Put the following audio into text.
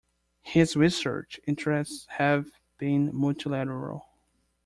His research interests have been multilateral.